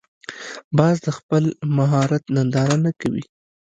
باز د خپل مهارت ننداره نه کوي